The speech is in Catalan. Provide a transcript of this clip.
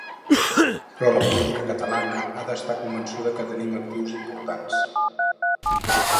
Però la política catalana ha d’estar convençuda que tenim actius importants.